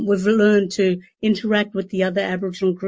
kami telah belajar untuk berinteraksi dengan grup grup aborigen lain